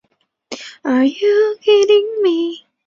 二磷酸腺苷与钙离子是酶的变构增活因子。